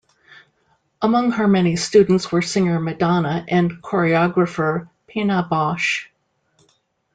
Among her many students were singer Madonna and choreographer Pina Bausch.